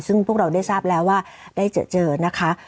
ซึ่งพวกเราได้ทราบแล้วว่าได้เจอนะคะ